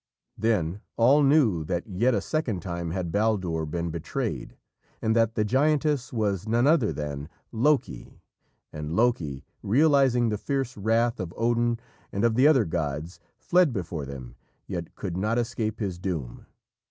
Then all knew that yet a second time had Baldur been betrayed, and that the giantess was none other than Loki, and Loki, realising the fierce wrath of Odin and of the other gods, fled before them, yet could not escape his doom.